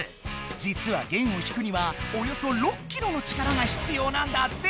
じつは弦を引くにはおよそ６キロの力がひつようなんだって。